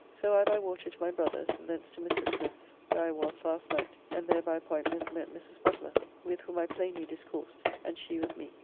So I by water to my brother's, and thence to Mr. Smith's, where I was, last night, and there by appointment met Mrs. Butler, with whom I plainly discoursed and she with me.